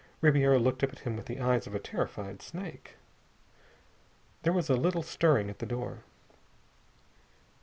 Ribiera looked up at him with the eyes of a terrified snake. There was a little stirring at the door.